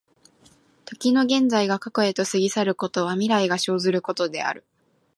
時の現在が過去へと過ぎ去ることは、未来が生ずることである。